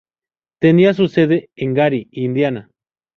Tenía su sede en Gary, Indiana.